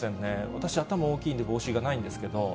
私、頭大きいんで帽子がないんですけど。